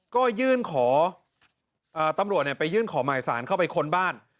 ก็ยื่นขอตำรวจไปยื่นขอหมายสารเข้าไปค้นบ้าน